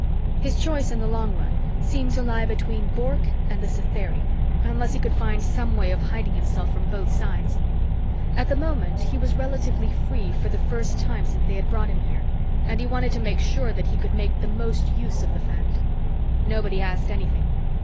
His choice, in the long run, seemed to lie between Bork and the Satheri, unless he could find some way of hiding himself from both sides. At the moment, he was relatively free for the first time since they had brought him here, and he wanted to make sure that he could make the most use of the fact. Nobody asked anything.